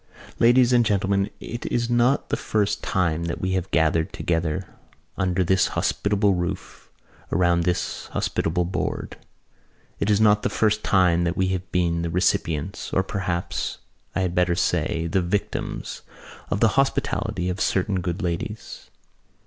"Ladies and Gentlemen, it is not the first time that we have gathered together under this hospitable roof, around this hospitable board. It is not the first time that we have been the recipients—or perhaps, I had better say, the victims—of the hospitality of certain good ladies."